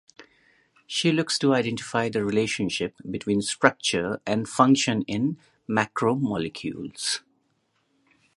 She looks to identify the relationship between structure and function in macromolecules.